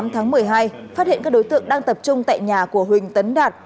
tám tháng một mươi hai phát hiện các đối tượng đang tập trung tại nhà của huỳnh tấn đạt